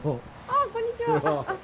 ああこんにちは！